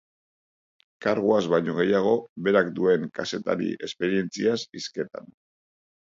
Karguaz baino gehiago, berak duen kazetari esperientziaz hizketan.